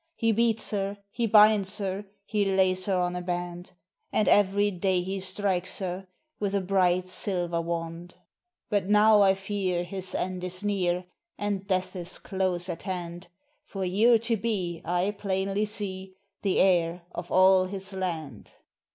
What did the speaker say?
He beats her, he binds her, He lays her on a band ; And every day he strikes her With a bright silver wand. THE RED ETTIN 321 But now I fear his end is near, And death is close at hand; For you're to be, I plainly see, The heir of all his land."